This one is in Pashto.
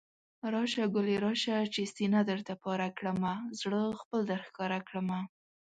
راشه ګلي راشه، چې سينه درته پاره کړمه، زړه خپل درښکاره کړمه